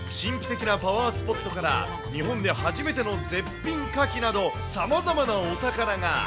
神秘的なパワースポットから、日本で初めての絶品カキなど、様々なお宝が。